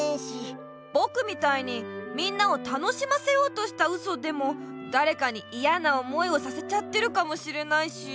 ぼくみたいにみんなを楽しませようとしたウソでもだれかにいやな思いをさせちゃってるかもしれないし。